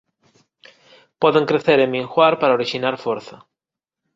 Poden crecer e minguar para orixinar forza.